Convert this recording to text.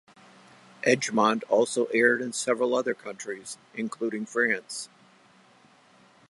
"Edgemont" also aired in several other countries, including France.